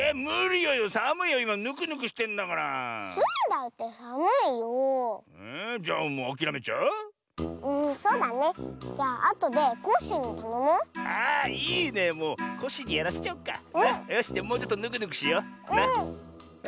よしじゃもうちょっとぬくぬくしよう。